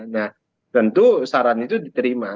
nah tentu saran itu diterima